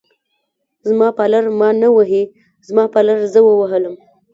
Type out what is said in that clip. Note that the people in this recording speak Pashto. زما پالر ما نه وهي، زما پالر زه ووهلم.